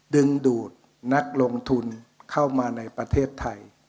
ดึงดูดนักลงทุนเข้ามาในประเทศไทย